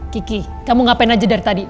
kiki kamu ngapain aja dari tadi